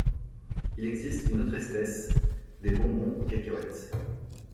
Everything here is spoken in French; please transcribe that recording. Il existe une autre espèce, des bonbons aux cacahuètes.